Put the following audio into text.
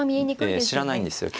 ええ知らないんですよ